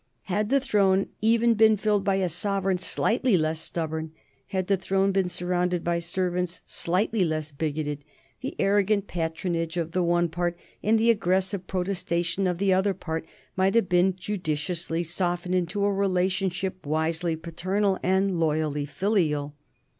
Had the throne even been filled by a sovereign slightly less stubborn, had the throne been surrounded by servants slightly less bigoted, the arrogant patronage of the one part and the aggressive protestation of the other part might have been judiciously softened into a relationship wisely paternal and loyally filial.